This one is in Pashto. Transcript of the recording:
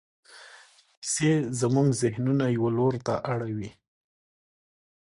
کیسې زموږ ذهنونه یوه لور ته اړوي.